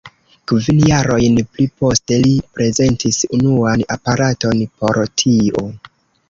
Kvin jarojn pli poste, li prezentis unuan aparaton por tio.